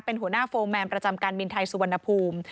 เป็นหัวหน้าโฟร์แมนประจำการบินไทยสุวรรณภูมิ